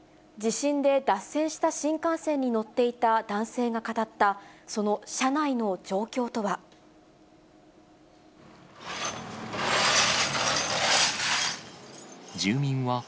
地震で脱線した新幹線に乗っていた男性が語った、その車内の状況とは。